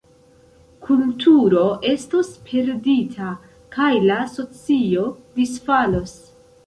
Kulturo estos perdita, kaj la socio disfalos.